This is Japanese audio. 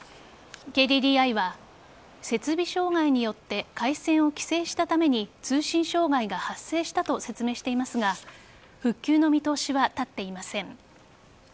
ＫＤＤＩは、設備障害によって回線を規制したために通信障害が発生したと説明していますが復旧の見通しは立っていません。